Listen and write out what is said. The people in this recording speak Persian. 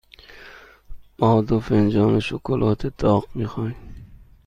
ما دو فنجان شکلات داغ می خواهیم.